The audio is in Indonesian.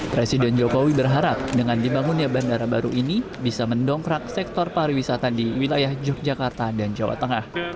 presiden jokowi berharap dengan dibangunnya bandara baru ini bisa mendongkrak sektor pariwisata di wilayah yogyakarta dan jawa tengah